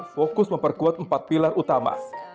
fokus memperkuat empat pilar utama